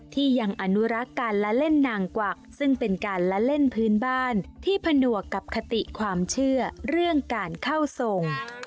ที่ยังอนุรักษ์การละเล่นนางกวักซึ่งเป็นการละเล่นพื้นบ้านที่ผนวกกับคติความเชื่อเรื่องการเข้าทรง